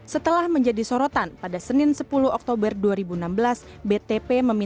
setelah menjadi sorotan pada senin dua ribu tujuh belas btp mengatakan bahwa btp tidak akan memiliki kekuatan untuk memilih diri